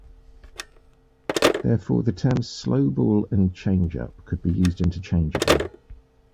Therefore, the terms slow ball and changeup could be used interchangeably.